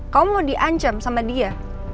kamu mau diancam sama dia